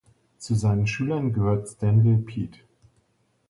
Zu seinen Schülern gehört Stanley Peat.